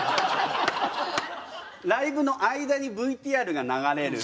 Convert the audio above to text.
ライブの間にＶＴＲが流れる。